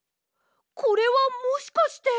これはもしかして！